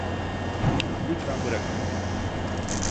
Lütfen bırakın beni.